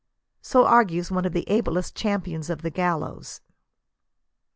So argues one of the ablest champions of the gallows.